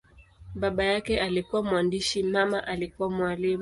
Baba yake alikuwa mwandishi, mama alikuwa mwalimu.